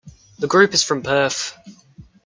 The group is from Perth.